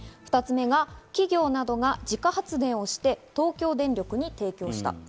２つ目が企業などが自家発電をして東京電力に提供した。